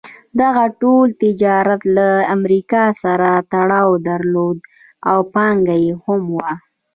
دغه ټول تجارت له امریکا سره تړاو درلود او پانګه یې هم وه.